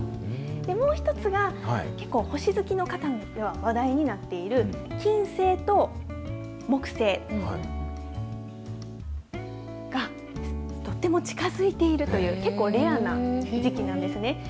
もう１つが、結構、星好きの方では話題になっている、金星と木星が、とっても近づいているという、結構レアな時期なんですね。